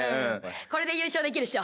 これで優勝できるっしょ！